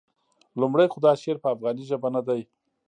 لومړی خو دا شعر په افغاني ژبه نه دی.